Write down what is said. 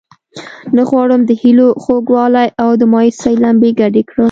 نه غواړم د هیلو خوږوالی او د مایوسۍ لمبې ګډې کړم.